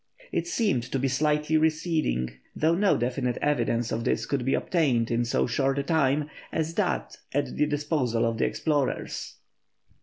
It seemed to be slightly receding, though no definite evidence of this could be obtained in so short a time as that at the disposal of the explorers.